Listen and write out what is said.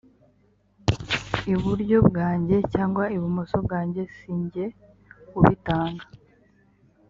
iburyo bwanjye cyangwa ibumoso bwanjye si jye ubitanga